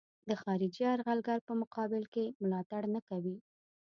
د خارجي یرغلګر په مقابل کې ملاتړ نه کوي.